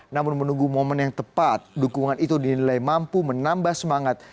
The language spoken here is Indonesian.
namun menunggu momen yang tepat dukungan itu dinilai mampu menambah semangat